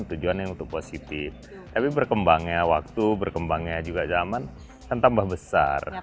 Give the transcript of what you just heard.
tujuan yang untuk positif tapi berkembangnya waktu berkembangnya juga zaman dan tambah besar